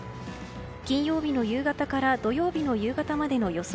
金曜日の夕方から土曜日の夕方までの予想